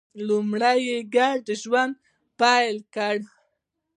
لومړی یې ګډ ژوند پیل کړ.